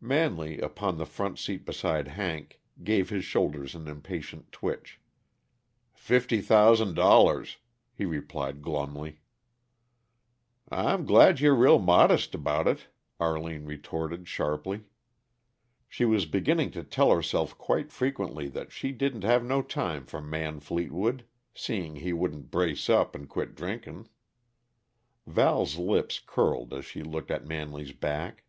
Manley, upon the front seat beside Hank, gave his shoulders an impatient twitch. "Fifty thousand dollars," he replied glumly. "I'm glad you're real modest about it," Arline retorted sharply. She was beginning to tell herself quite frequently that she "didn't have no time for Man Fleetwood, seeing he wouldn't brace up and quit drinkin." Val's lips curled as she looked at Manley's back.